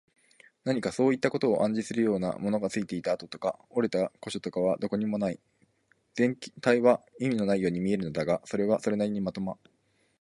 何かそういったことを暗示するような、ものがついていた跡とか、折れた個所とかはどこにもない。全体は意味のないように見えるのだが、それはそれなりにまとまっている。